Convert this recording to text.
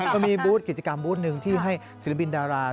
ก็มีบูธกิจกรรมบูธหนึ่งที่ให้ศิลปินดารา